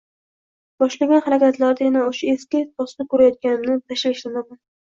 boshlagan harakatlarida yana o‘sha “eski tos”ni ko‘rayotganimdan tashvishlanaman.